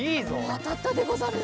あたったでござる。